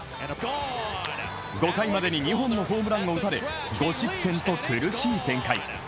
５回までに２本のホームランを打たれ５失点と苦しい展開。